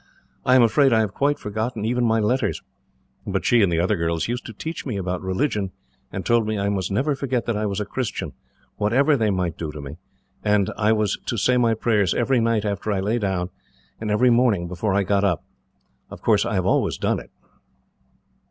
I am afraid I have quite forgotten even my letters; but she and the other girls used to teach me about religion, and told me I must never forget that I was a Christian, whatever they might do to me, and I was to say my prayers every night after I lay down, and every morning before I got up. Of course, I have always done it."